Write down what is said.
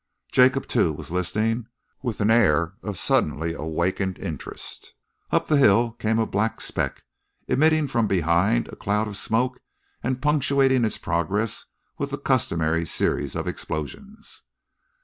Jacob, too, was listening with an air of suddenly awakened interest. Up the hill came a black speck, emitting from behind a cloud of smoke and punctuating its progress with the customary series of explosions.